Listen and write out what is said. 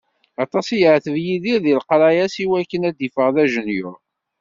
Aṭas i yeεteb Yidir di leqraya-s iwakken ad d-iffeɣ d ajenyur.